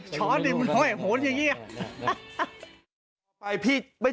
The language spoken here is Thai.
ใช่ไป